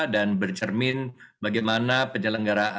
dan bercermin bagaimana penyelenggaraan covid sembilan belas